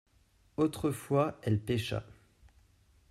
Autrefois elle pêcha.